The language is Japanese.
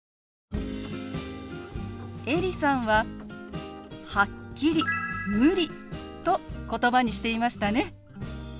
エリさんははっきり「無理」と言葉にしていましたね。